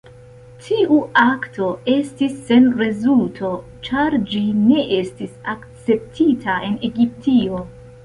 Tiu akto estis sen rezulto, ĉar ĝi ne estis akceptita en Egiptio.